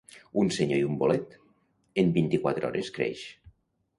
Un senyor i un bolet, en vint-i-quatre hores creix.